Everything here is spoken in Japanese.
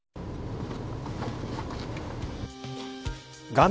画面